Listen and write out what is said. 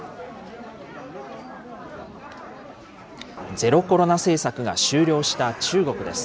ゼロコロナ政策が終了した中国です。